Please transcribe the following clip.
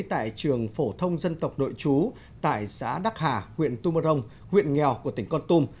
tại trường phổ thông dân tộc nội chú tại xã đắc hà huyện tumorong huyện nghèo của tỉnh con tum